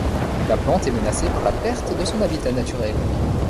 La plante est menacée par la perte de son habitat naturel.